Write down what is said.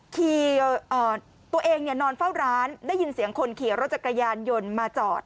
ตัวเองนอนเฝ้าร้านได้ยินเสียงคนขี่รถจักรยานยนต์มาจอด